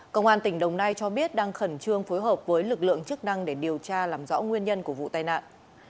công an tỉnh đồng nai cho biết đang khẩn trương phối hợp với lực lượng chức năng để điều tra làm rõ nguyên nhân của vụ tai nạn